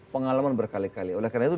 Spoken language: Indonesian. pengalaman berkali kali oleh karena itu